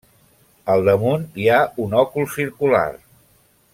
Al damunt hi ha un òcul circular.